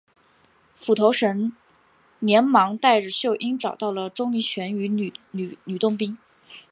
斧头神连忙带着秀英找到了钟离权与吕洞宾。